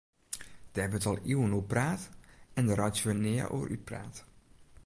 Dêr wurdt al iuwen oer praat en dêr reitsje we nea oer útpraat.